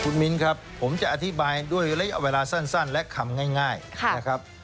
คุณมิ้นครับผมจะอธิบายด้วยระยะเวลาสั้นและคำง่ายนะครับ